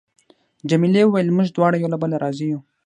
جميلې وويل: موږ دواړه یو له بله راضي یو.